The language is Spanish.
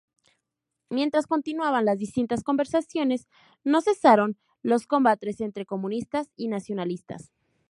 Mientras continuaban las distintas conversaciones, no cesaron los combates entre comunistas y nacionalistas.